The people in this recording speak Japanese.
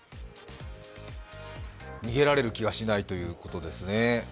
逃げられる気はしないということですね。